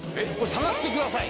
探してください